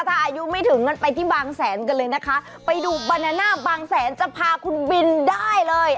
ถ้าอายุไม่ถึงงั้นไปที่บางแสนกันเลยนะคะไปดูบานาน่าบางแสนจะพาคุณบินได้เลย